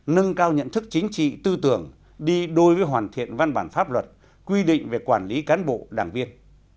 nâng cao nhận thức chính trị tư tưởng đi đôi với hoàn thiện văn bản pháp luật quy định về quản lý cán bộ đảng viên